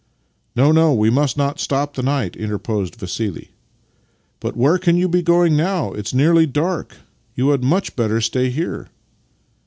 " No, no. We must not stop the night," interposed Vassili. " But where can you be going now? It is nearly dark. You had much better stay here."